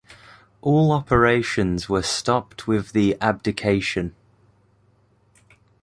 All operations were stopped with the abdication.